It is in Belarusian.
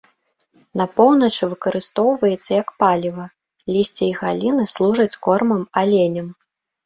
На поўначы выкарыстоўваецца як паліва, лісце і галіны служаць кормам аленям.